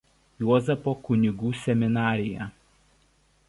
Juozapo kunigų seminariją.